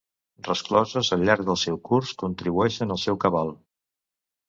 Rescloses al llarg del seu curs contribueixen al seu cabal.